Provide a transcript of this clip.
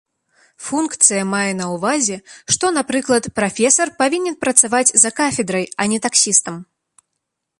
Функцыя мае на ўвазе, што, напрыклад, прафесар павінен працаваць за кафедрай, а не таксістам.